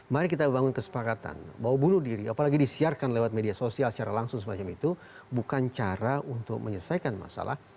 mari kita bangun kesepakatan bahwa bunuh diri apalagi disiarkan lewat media sosial secara langsung semacam itu bukan cara untuk menyelesaikan masalah